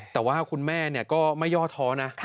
แต่ว่าคุณแม่ก็ไม่ย่อท้อนะ